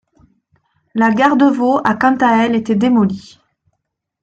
La gare de Vaux a quant à elle été démolie.